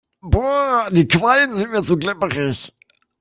Boah, die Quallen sind mir zu glibberig.